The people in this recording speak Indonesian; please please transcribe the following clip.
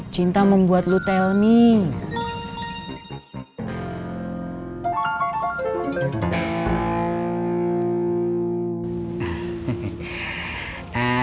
cinta membuat lo tell me